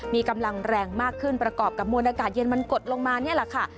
มีกำลังแรงมากขึ้นประกอบกับมวลอากาศเย็นมันกดลงมานี่แหละค่ะ